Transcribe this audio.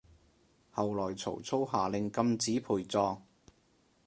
後來曹操下令禁止陪葬